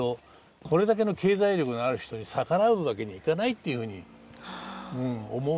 これだけの経済力のある人に逆らうわけにいかないっていうふうに思うんです。